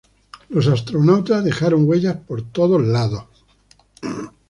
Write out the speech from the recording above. Los astronautas dejaron huellas por todos lados.